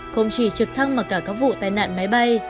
không chỉ trực thăng mà cả các vụ tai nạn máy bay